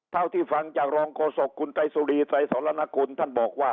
เท่าที่ฟังจากรองโกศกคุณตายสุรีสายสละนกุลท่านบอกว่า